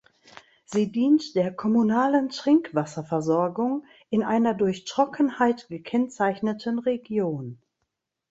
Sie dient der kommunalen Trinkwasserversorgung in einer durch Trockenheit gekennzeichneten Region.